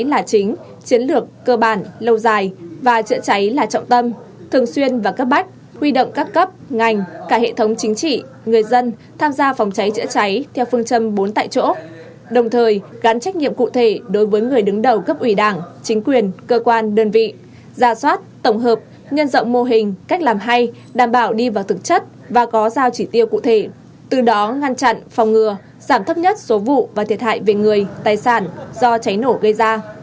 lâu dài và chữa cháy là trọng tâm thường xuyên và cấp bách huy động các cấp ngành cả hệ thống chính trị người dân tham gia phòng cháy chữa cháy theo phương châm bốn tại chỗ đồng thời gắn trách nhiệm cụ thể đối với người đứng đầu cấp ủy đảng chính quyền cơ quan đơn vị gia soát tổng hợp nhân dọng mô hình cách làm hay đảm bảo đi vào thực chất và có giao chỉ tiêu cụ thể từ đó ngăn chặn phòng ngừa giảm thấp nhất số vụ và thiệt hại về người tài sản do cháy nổ gây ra